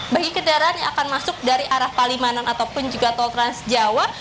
bagi kendaraan yang akan masuk dari arah palimanan ataupun juga tol trans jawa